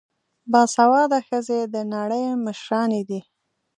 باسواده ښځې د نړۍ مشرانې دي.